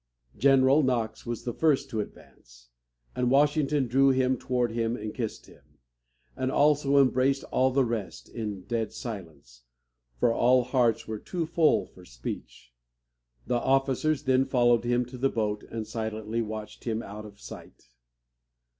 General Knox was the first to advance, and Washington drew him toward him and kissed him. He also embraced all the rest in dead silence, for all hearts were too full for speech. The officers then followed him to the boat and silently watched him out of sight.